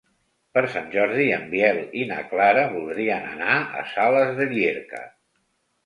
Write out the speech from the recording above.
Per Sant Jordi en Biel i na Clara voldrien anar a Sales de Llierca.